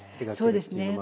そうですね。